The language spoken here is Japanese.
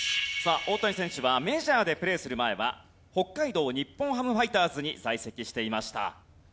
さあ大谷選手はメジャーでプレーする前は北海道日本ハムファイターズに在籍していました。